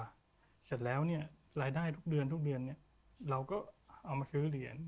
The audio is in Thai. เสร็จแล้วรายได้ทุกเดือนเราก็เอามาซื้อเหรียญ